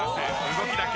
動きだけ。